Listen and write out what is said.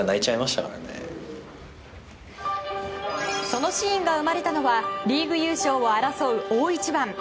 そのシーンが生まれたのはリーグ優勝を争う大一番。